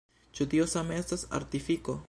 Ĉu tio same estas artifiko?